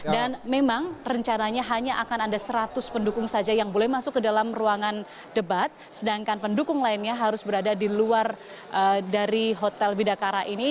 dan memang rencananya hanya akan ada seratus pendukung saja yang boleh masuk ke dalam ruangan debat sedangkan pendukung lainnya harus berada di luar dari hotel bidakara ini